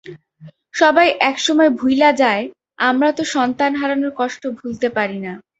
সবাই একসময় ভুইল্যা যায়, আমরা তো সন্তান হারানোর কষ্ট ভুলতে পারি না।